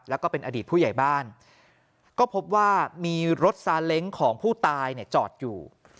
แล้วก็เป็นอดีตผู้ใหญ่บ้านก็พบว่ามีรถซาเล้งของผู้ตายเนี่ยจอดอยู่